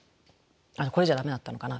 これじゃダメだったのかな。